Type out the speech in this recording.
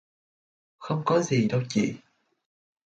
Không có gì đâu chị